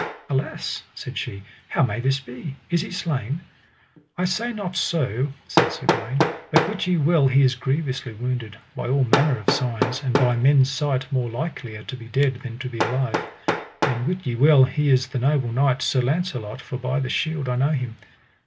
Alas, said she, how may this be, is he slain? I say not so, said Sir Gawaine, but wit ye well he is grievously wounded, by all manner of signs, and by men's sight more likelier to be dead than to be alive; and wit ye well he is the noble knight, Sir Launcelot, for by this shield I know him.